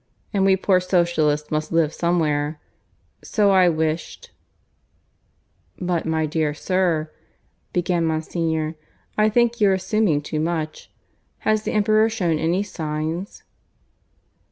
And we poor Socialists must live somewhere. So I wished " "But my dear sir," began Monsignor. "I think you're assuming too much. Has the Emperor shown any signs